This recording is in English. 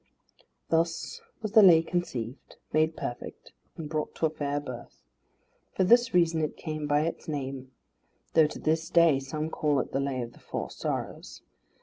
Thus was the Lay conceived, made perfect, and brought to a fair birth. For this reason it came by its name; though to this day some call it the Lay of the Four Sorrows.